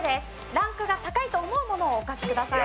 ランクが高いと思うものをお書きください。